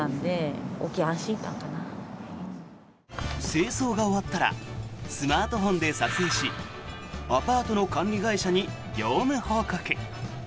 清掃が終わったらスマートフォンで撮影しアパートの管理会社に業務報告。